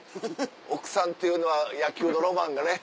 奥さんっていうのは野球のロマンがね。